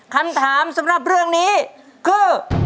คำถามสำหรับเรื่องนี้คือ